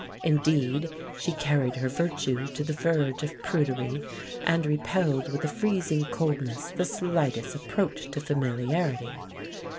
Indeed, she carried her virtue to the verge of prudery, and repelled with a freezing coldness the slightest approach to familiarity.